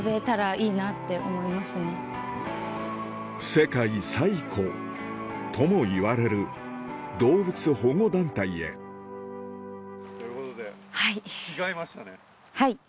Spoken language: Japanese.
「世界最古」ともいわれる動物保護団体へということで着替えましたね。